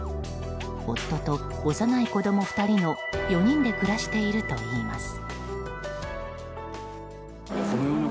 夫と幼い子供２人の４人で暮らしているといいます。